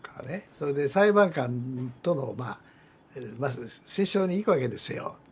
それで裁判官との折衝に行くわけですよ時々。